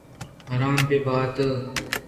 حرام بہ بات